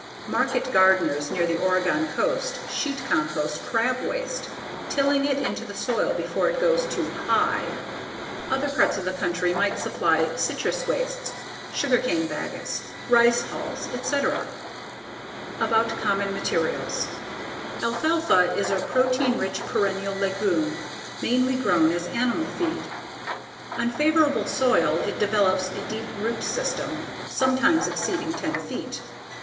Market gardeners near the Oregon coast sheet compost crab waste, tilling it into the soil before it gets too "high." Other parts of the country might supply citrus wastes, sugar cane bagasse, rice hulls, etc. About Common Materials Alfalfa is a protein rich perennial legume mainly grown as animal feed. On favorable soil it develops a deep root system, sometimes exceeding ten feet.